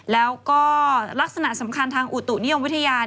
แล้วก็ลักษณะสำคัญทางอุตุนิยมวิทยา